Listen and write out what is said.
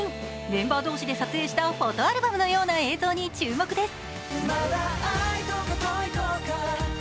メンバー同士で撮影したフォトアルバムのような映像に注目です。